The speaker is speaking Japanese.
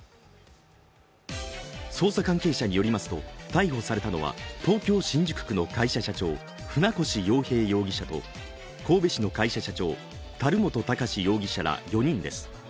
捜査関係者によりますと、逮捕されたのは東京・新宿区の会社社長、船越洋平容疑者と神戸市の会社社長樽本貴司容疑者ら４人です。